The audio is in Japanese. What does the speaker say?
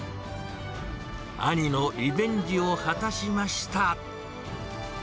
兄のリベンジを果たしました。